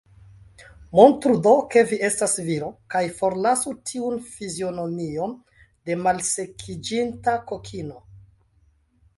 Montru do, ke vi estas viro, kaj forlasu tiun fizionomion de malsekiĝinta kokino.